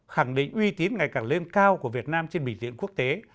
khẳng định uy tín ngày càng lên cao của việt nam trên bình diện quốc tế